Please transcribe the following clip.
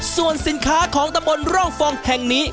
ส่วนสินค้าของตำบลร่องฟองแห่งนี้